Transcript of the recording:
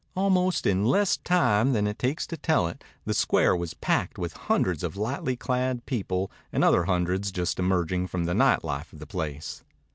Almost in less time than it takes to tell it, the square was packed with hundreds of lightly clad people and other hundreds just emerging from the night life of the place.